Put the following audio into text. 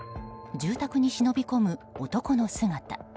住宅に忍び込む男の姿。